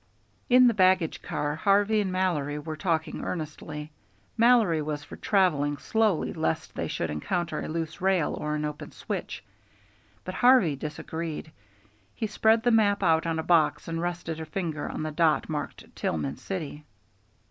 In the baggage car Harvey and Mallory were talking earnestly. Mallory was for travelling slowly lest they should encounter a loose rail or an open switch, but Harvey disagreed. He spread the map out on a box and rested a finger on the dot marked Tillman City.